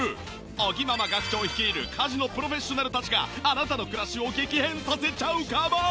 尾木ママ学長率いる家事のプロフェッショナルたちがあなたの暮らしを激変させちゃうかも！